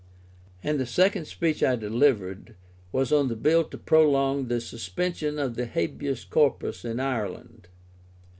And the second speech I delivered was on the bill to prolong the suspension of the Habeas Corpus in Ireland.